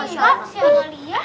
salam si amalia